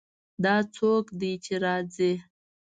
دا څوک ده چې راځي